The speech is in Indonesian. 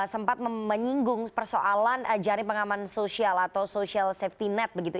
sempat menyinggung persoalan jaring pengaman sosial atau social safety net begitu